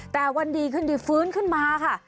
แต่วันดีขึ้นดีฟื้นขึ้นมาค่ะ